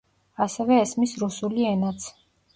ასევე ესმის რუსული ენაც.